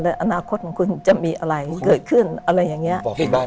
แล้วแหละของหนุ่มอย่างเนี่ย